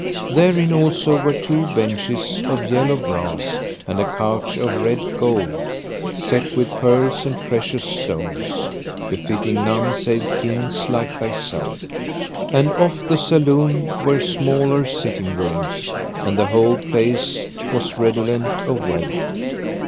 Therein also were two benches of yellow brass and a couch of red gold, set with pearls and precious stones, befitting none save Kings like thyself. And off the saloon were smaller sitting rooms; and the whole place was redolent of wealth.